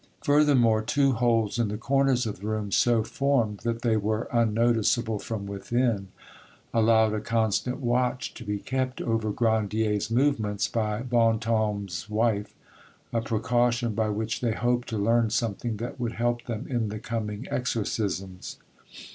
Furthermore, two holes in the corners of the room, so formed that they were unnoticeable from within, allowed a constant watch to be kept over Grandier's movements by Bontem's wife, a precaution by which they hoped to learn something that would help them in the coming exorcisms.